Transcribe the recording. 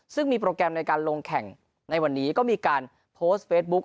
ซึ่งมีโปรแกรมในการลงแข่งในวันนี้ก็มีการโพสต์เฟซบุ๊ค